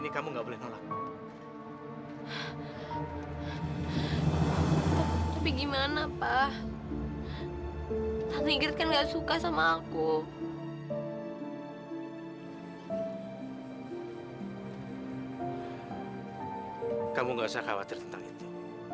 kamu gak usah khawatir tentang itu